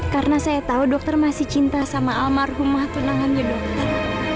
karena saya tau dokter masih cinta sama almarhumah tunangannya dokter